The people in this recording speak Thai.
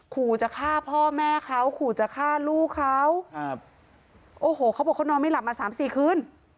ขู่จะฆ่าพ่อแม่เขาขู่จะฆ่าลูกเขาครับโอ้โหเขาบอกเขานอนไม่หลับมาสามสี่คืน